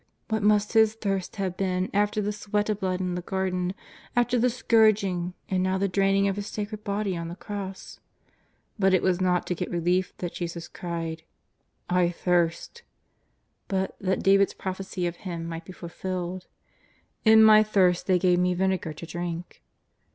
What must His thirst have been after the sweat of blood in the Garden, after the scourging, and now the draining of His sacred body on the cross ? But it was not to get relief that Jesus cried :" I thirst," but that David's prophecy of Him might be fulfilled :" In My thirst they gave Me vinegar to drink."